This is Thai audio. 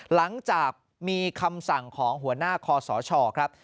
หลังจากมีคำสั่งของหัวหน้าคอสชครับ